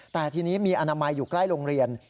แต่ทีนี้มีอนามัยอยู่ใกล้โรงเรียน